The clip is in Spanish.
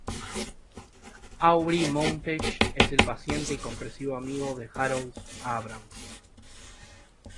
Aubrey Montague es el paciente y comprensivo amigo de Harold Abrahams.